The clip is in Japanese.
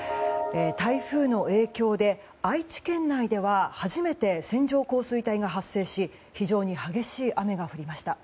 台風の影響で愛知県内では初めて線状降水帯が発生し非常に激しい雨が降りました。